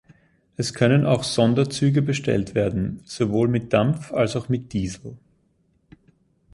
Es können auch Sonderzüge bestellt werden, sowohl mit Dampf als auch mit Diesel.